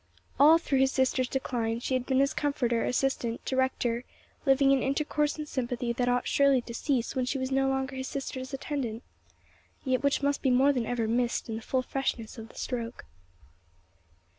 All through his sister's decline she had been his comforter, assistant, director, living in intercourse and sympathy that ought surely to cease when she was no longer his sister's attendant, yet which must be more than ever missed in the full freshness of the stroke.